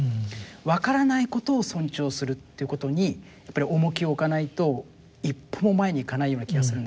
わからないことを尊重するっていうことにやっぱり重きを置かないと一歩も前にいかないような気がするんですね。